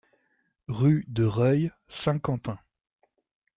Rue de Reuil, Saint-Quentin